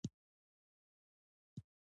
اوږده غرونه د افغان کورنیو د دودونو مهم عنصر دی.